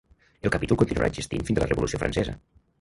El capítol continuarà existint fins a la revolució francesa.